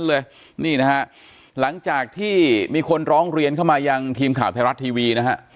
เลยนี่นะฮะหลังจากที่มีคนร้องเรียนเข้ามายังทีมข่าวไทยรัฐทีวีนะฮะ